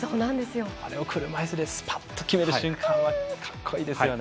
あれを車いすでスパンと決めた瞬間はかっこいいですよね。